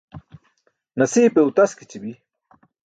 Nasiipe utaskici̇bi.